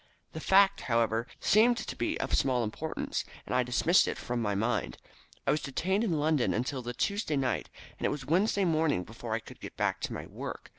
The fact, however, seemed to be of small importance, and I dismissed it from my mind. I was detained in London until the Tuesday night, and it was Wednesday morning before I got back to my work.